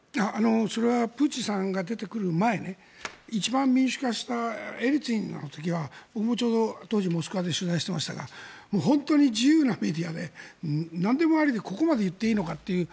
それはプーチンさんが出てくる前一番民主化したエリツィンの時は僕もちょうど当時モスクワで取材していましたが本当に自由なメディアでなんでもありでここまで言っていいのかという。